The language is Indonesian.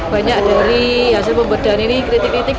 banyak dari hasil pemberdaan ini kritik kritik